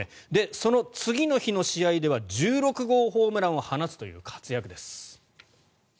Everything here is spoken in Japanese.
その次の日の試合では１６号ホームランを放つという活躍です。